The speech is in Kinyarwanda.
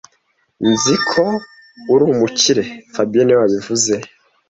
Nzi ko uri umukire fabien niwe wabivuze